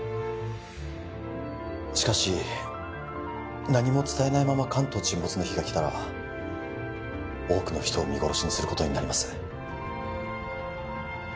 しかし何も伝えないまま関東沈没の日が来たら多くの人を見殺しにすることになります